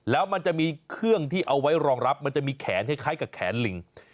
แล้วมันจะมีเครื่องที่เอาไว้รองรับมันจะมีแขนคล้ายกับแขนลิง